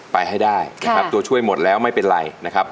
ไปให้ได้นะครับตัวช่วยหมดแล้วไม่เป็นไรนะครับ